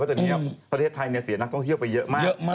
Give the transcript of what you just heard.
ดังนี้แปลวิเศษนักท่องเที่ยวไปเยอะมาก